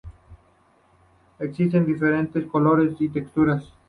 Existe en diferentes colores y texturas.